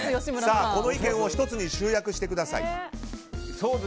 この意見を１つに集約してください。